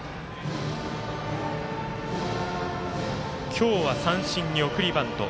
今日は三振に送りバント。